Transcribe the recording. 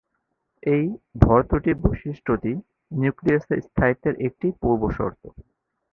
এই ভর ত্রুটি বৈশিষ্ট্যটি নিউক্লিয়াসের স্থায়িত্বের একটি পূর্বশর্ত।